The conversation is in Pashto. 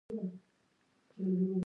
د نقدو پیسو نشتوالی کاروبار ورو کوي.